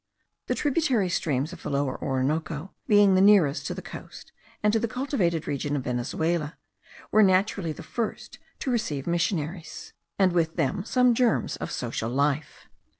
The tributary streams of the Lower Orinoco, being the nearest to the coast and to the cultivated region of Venezuela, were naturally the first to receive missionaries, and with them some germs of social life.